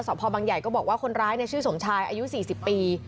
พ่อบังใหญ่ก็บอกว่าคนร้ายชื่อสมชายอายุ๔๐ปี